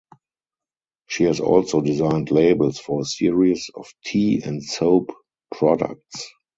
She has also designed labels for a series of tea and soap products.